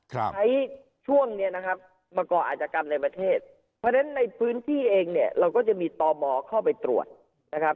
ใช้ช่วงนี้มาก่ออาจกรรมในประเทศเพราะฉะนั้นในพื้นที่เองเราก็จะมีตมเข้าไปตรวจ